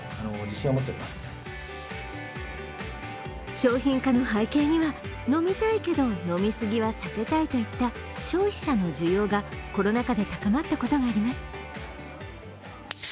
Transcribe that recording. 商品化の背景には、飲みたいけど飲み過ぎは避けたいといった消費者の需要がコロナ禍で高まったことがあります。